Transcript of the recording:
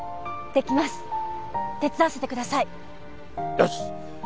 よし！